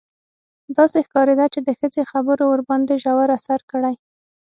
داسې ښکارېده چې د ښځې خبرو ورباندې ژور اثر کړی.